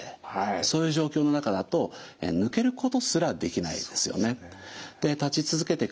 そういう状況の中だと抜けることすらできないですよね。